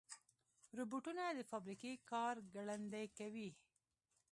روبوټونه د فابریکې کار ګړندي کوي.